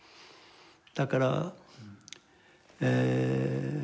だからえ